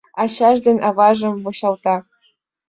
Ачаж ден аважым вучалта.